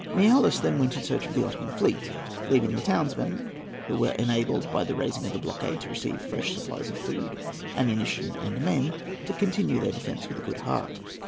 Miaoulis then went in search of the Ottoman fleet, leaving the townsmen, who were enabled, by the raising of the blockade, to receive fresh supplies of food, ammunition, and men, to continue their defence with a good heart.